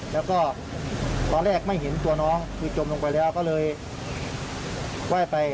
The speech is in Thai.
แล้วก็ตอนแรกไม่เห็นตัวน้องคือจมลงไปแล้วก็เลยไหว้ไป